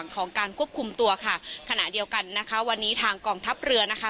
ของการควบคุมตัวค่ะขณะเดียวกันนะคะวันนี้ทางกองทัพเรือนะคะ